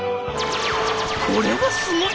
「これはすごい！